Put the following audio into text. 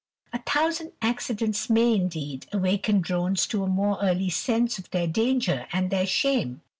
A thousand accidents may, indeed, awaken drones to a more early sense of their danger and their shame.